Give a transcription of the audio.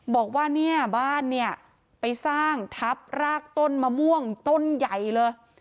บอกว่าเนี่ยบ้านเนี่ยไปสร้างทับรากต้นมะม่วงต้นใหญ่เลย